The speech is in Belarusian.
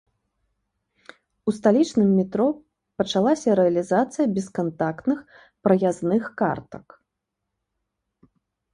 У сталічным метро пачалася рэалізацыя бескантактных праязных картак.